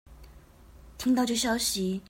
聽到這消息